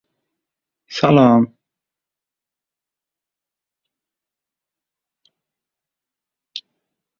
“Bu yaramas qutulib qolibdi-da, uning ustiga mukofot ham olibdi” deb oʻyladi